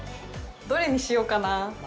どれにしようかな。